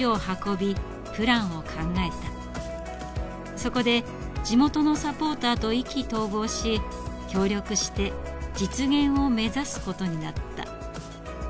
そこで地元のサポーターと意気投合し協力して実現を目指すことになった。